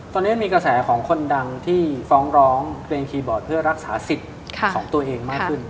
ตอนนี้มีกระแสของคนดังที่ฟ้องร้องเรียนคีย์บอร์ดเพื่อรักษาสิทธิ์ของตัวเองมากขึ้น